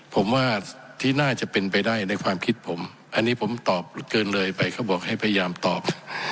ผมว่าที่น่าจะเป็นไปได้ในความคิดผมอันนี้ผมตอบเกินเลยไปเขาบอกให้พยายามตอบ